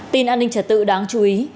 tin an ninh trật tự đáng chú ý